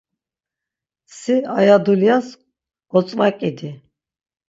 Si aya dulyas gotzvakidi.